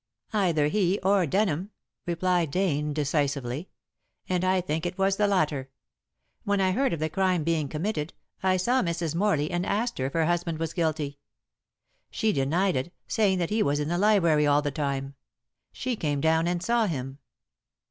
"Either he or Denham," replied Dane decisively; "and I think it was the latter. When I heard of the crime being committed, I saw Mrs. Morley and asked her if her husband was guilty. She denied it, saying that he was in the library all the time. She came down and saw him."